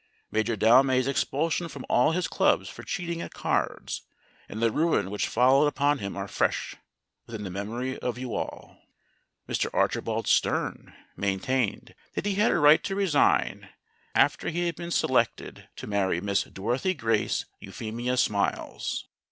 Major Delmay 's expulsion from all his clubs for cheating at cards and the ruin which followed upon him are fresh within the memory of you all. Mr. Archibald Sterne maintained that he had a right to resign after he had been selected 76 STORIES WITHOUT TEARS to marry Miss Dorothy Grace Euphemia Smiles.